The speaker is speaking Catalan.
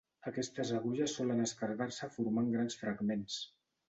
Aquestes agulles solen esquerdar-se formant grans fragments.